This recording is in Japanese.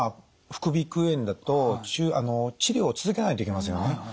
副鼻腔炎だと治療を続けないといけませんよね。